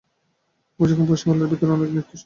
অবশ্য এখন পয়সাওয়ালাদের ভেতর অনেকে নিত্যস্নায়ী।